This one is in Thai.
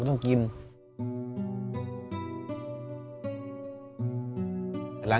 พ่อลูกรู้สึกปวดหัวมาก